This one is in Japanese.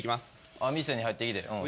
あっ店に入ってきてうん。